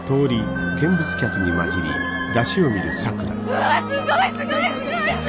うわっすごいすごいすごいすごい！